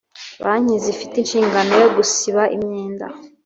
Banki zifite inshingano yo gusiba imyenda